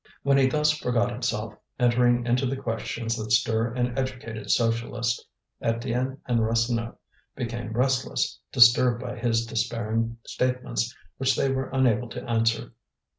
When he thus forgot himself, entering into the questions that stir an educated socialist, Étienne and Rasseneur became restless, disturbed by his despairing statements which they were unable to answer.